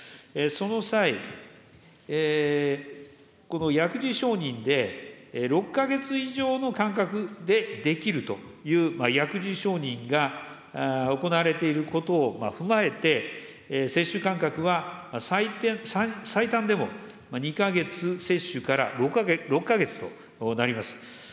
その際、この薬事承認で、６か月以上の間隔でできるという薬事承認が行われていることを踏まえて、接種間隔は最短でも２か月接種から６か月となります。